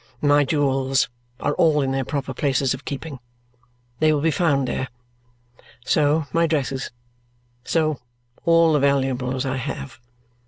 My jewels are all in their proper places of keeping. They will be found there. So, my dresses. So, all the valuables I have.